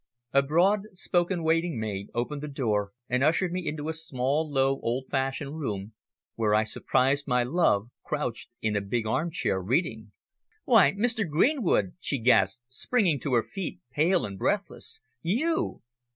A broad spoken waiting maid opened the door and ushered me into a small, low, old fashioned room, where I surprised my love crouched in a big armchair, reading. "Why? Mr. Greenwood!" she gasped, springing to her feet, pale and breathless, "you!"